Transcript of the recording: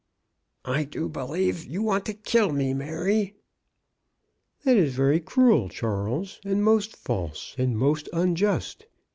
" I do believe you want to kill me, Mary." "That is very cruel, Charles, and most false, and most unjust.